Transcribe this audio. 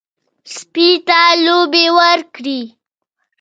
سپي ته لوبې ورکړئ.